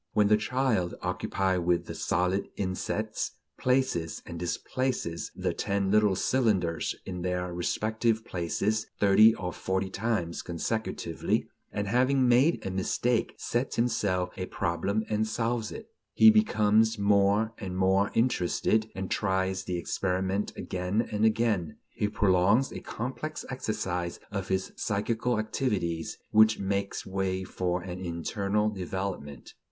When the child, occupied with the solid insets, places and displaces the ten little cylinders in their respective places thirty or forty times consecutively; and, having made a mistake, sets himself a problem and solves it, he becomes more and more interested, and tries the experiment again and again; he prolongs a complex exercise of his psychical activities which makes way for an internal development.